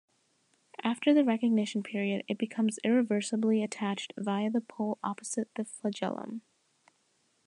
After the recognition period, it becomes irreversibly attached via the pole opposite the flagellum.